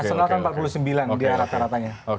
ini rp empat puluh sembilan di rata ratanya